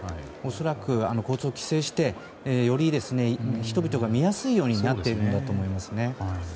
恐らく交通を規制してより、人々が見やすいになっているんだと思いますね。